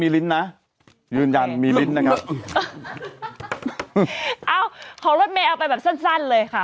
ลิ้นนะยืนยันมีลิ้นนะครับเอ้าของรถเมย์เอาไปแบบสั้นสั้นเลยค่ะ